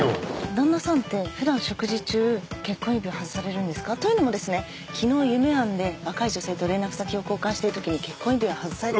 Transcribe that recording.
「旦那さんて普段食事中結婚指輪外されるんですか？というのもですね昨日夢庵で若い女性と連絡先を交換してる時に結婚指輪を外されてて」。